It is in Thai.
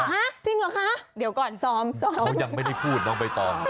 จริงเหรอคะเดี๋ยวก่อนซ้อมซ้อมเขายังไม่ได้พูดน้องใบตอง